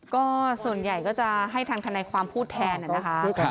ก็ส่วนใหญ่ก็จะให้ทางทนายความพูดแทนนะคะ